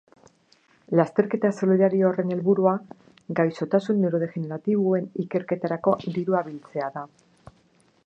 Lasterketa solidario horren helburua gaixotasun neurodegeneratiboen ikerketarako dirua biltzea da.